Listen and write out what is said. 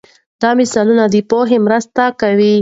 دا مثالونه د پوهې مرسته کوي.